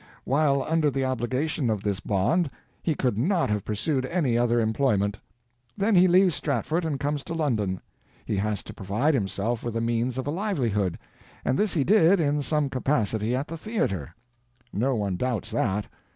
While under the obligation of this bond he could not have pursued any other employment. Then he leaves Stratford and comes to London. He has to provide himself with the means of a livelihood, and this he did in some capacity at the theater. No one doubts that.